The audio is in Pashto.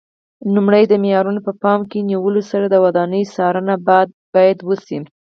لومړی د معیارونو په پام کې نیولو سره د ودانیو څارنه باید وشي.